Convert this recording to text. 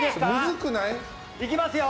いきますよ！